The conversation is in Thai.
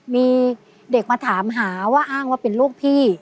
มีเด็กมาถามหาว่าอ้างว่าเป็นลูกพี่